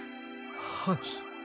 はい。